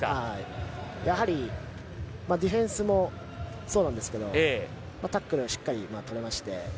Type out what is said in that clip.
やはり、ディフェンスもそうなんですけどタックルもしっかり取れまして。